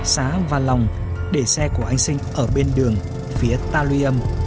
xá và lòng để xe của anh sinh ở bên đường phía talium